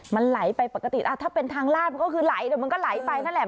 มันไหลไปปกติถ้าเป็นทางลาดมันก็คือไหลแต่มันก็ไหลไปนั่นแหละ